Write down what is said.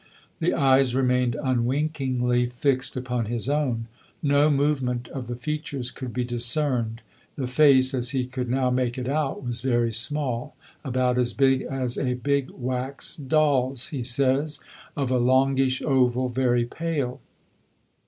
The eyes remained unwinkingly fixed upon his own. No movement of the features could be discerned. The face, as he could now make it out, was very small "about as big as a big wax doll's," he says, "of a longish oval, very pale."